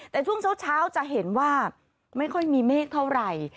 แต่ช่วงเช้าจะเห็นว่าไม่ค่อยมีเมฆเท่าไหร่